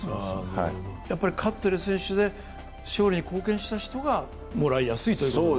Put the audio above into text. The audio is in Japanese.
勝ってる選手で勝利に貢献している人がもらいやすいという？